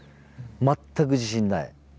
全く自信ない。